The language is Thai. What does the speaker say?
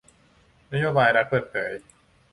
นโยบายรัฐเปิดเผย